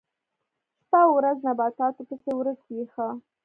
شپه او ورځ نباتاتو پسې ورک وي ښه.